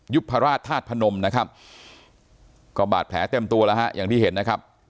พราชธาตุพนมนะครับก็บาดแผลเต็มตัวแล้วฮะอย่างที่เห็นนะครับ